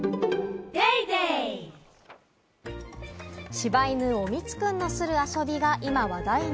柴犬おみつくんがする遊びが今、話題に。